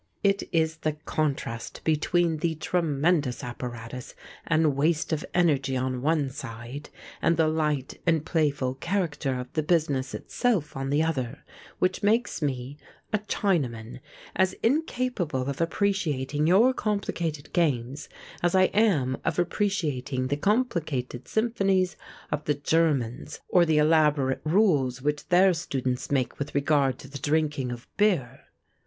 It is the contrast between the tremendous apparatus and waste of energy on one side, and the light and playful character of the business itself on the other which makes me, a Chinaman, as incapable of appreciating your complicated games as I am of appreciating the complicated symphonies of the Germans or the elaborate rules which their students make with regard to the drinking of beer.